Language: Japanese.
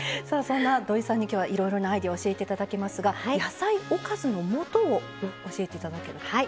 さあそんなどいさんに今日はいろいろなアイデアを教えて頂きますが“野菜おかず”のもとを教えて頂けると。